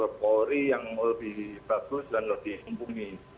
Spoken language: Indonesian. terikat polri yang lebih bagus dan lebih sempurna